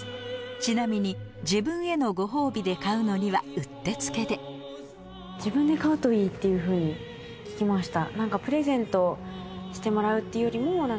ちなみに自分へのご褒美で買うのにはうってつけでっていうふうに聞きました。